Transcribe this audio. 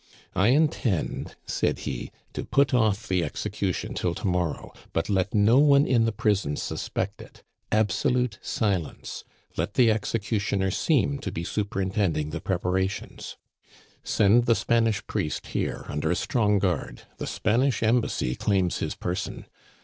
"I intend," said he, "to put off the execution till to morrow; but let no one in the prison suspect it. Absolute silence! Let the executioner seem to be superintending the preparations. "Send the Spanish priest here under a strong guard; the Spanish Embassy claims his person!